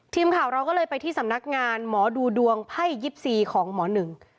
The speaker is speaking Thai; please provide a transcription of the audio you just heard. ทีมข่าวเราก็เลยไปที่สำนักงานหมอดูดวงไพ่๒๔ของหมอหนึ่ง